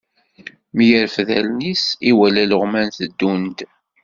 Mi yerfed allen-is, iwala ileɣman teddun-d.